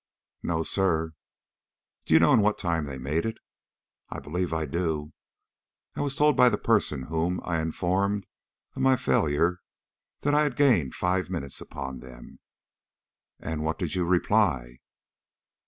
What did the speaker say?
"No, sir." "Do you know in what time they made it?" "I believe I do. I was told by the person whom I informed of my failure that I had gained five minutes upon them." "And what did you reply?"